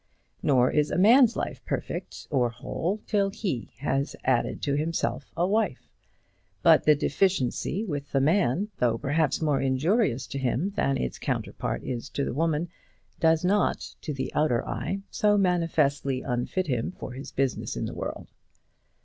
Nor is a man's life perfect or whole till he has added to himself a wife; but the deficiency with the man, though perhaps more injurious to him than its counterpart is to the woman, does not, to the outer eye, so manifestly unfit him for his business in the world.